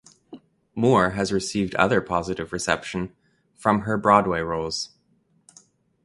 Moore has received other positive reception from her Broadway roles.